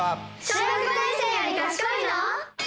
小学５年生より賢いの？